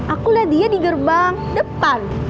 aku lihat dia di gerbang depan